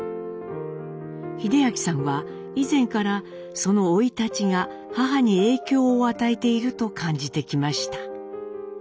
英明さんは以前からその生い立ちが母に影響を与えていると感じてきました。